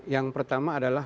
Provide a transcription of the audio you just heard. yang pertama adalah